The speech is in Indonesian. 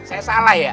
saya salah ya